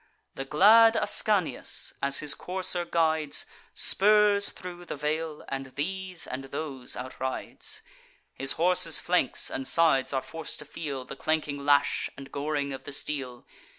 The glad Ascanius, as his courser guides, Spurs thro' the vale, and these and those outrides. His horse's flanks and sides are forc'd to feel The clanking lash, and goring of the steel.